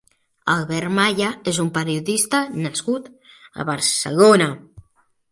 Albert Malla és un periodista nascut a Barcelona.